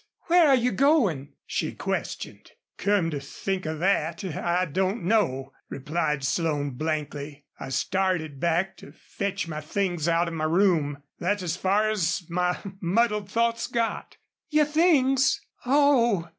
"Where are you going?" she questioned. "Come to think of that, I don't know," replied Slone, blankly. "I started back to fetch my things out of my room. That's as far as my muddled thoughts got." "Your things? ... Oh!"